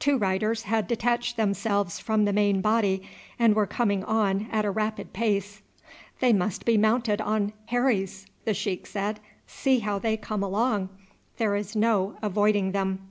Two riders had detached themselves from the main body and were coming on at a rapid pace. "They must be mounted on heiries," the sheik said; "see how they come along! There is no avoiding them."